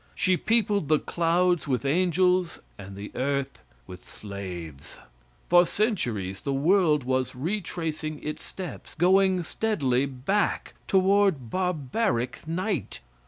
She peopled the clouds with angels and the earth with slaves. For centuries the world was retracing its steps going steadily back toward, barbaric night!